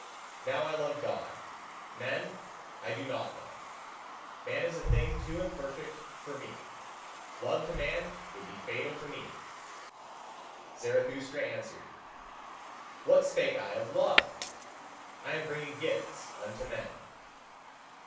Now I love God: men, I do not love. Man is a thing too imperfect for me. Love to man would be fatal to me." Zarathustra answered: "What spake I of love! I am bringing gifts unto men."